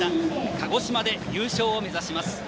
鹿児島で優勝を目指します。